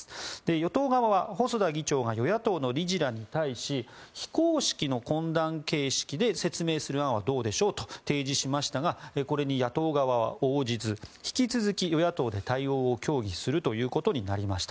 与党側は細田議長が与野党の理事らに対し非公式の懇談形式で説明する案はどうでしょうと提示しましたがこれに野党側は応じず引き続き与野党で対応を協議するということになりました。